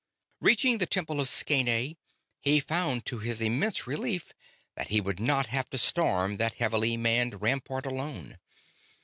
Reaching the Temple of Scheene, he found to his immense relief that he would not have to storm that heavily manned rampart alone.